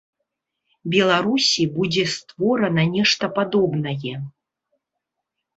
Беларусі будзе створана нешта падобнае.